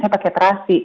saya pakai terasi